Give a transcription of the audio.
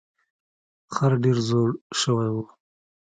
خر ډیر زوړ شوی و.